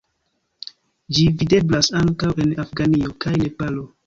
Ĝi videblas ankaŭ en Afganio kaj Nepalo.